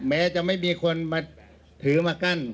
แม้จะไม่มีคนมาถือมากั้น